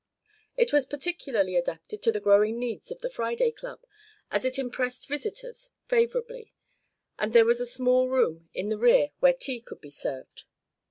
It was particularly adapted to the growing needs of the Friday Club, as it impressed visitors favorably, and there was a small room in the rear where tea could be served.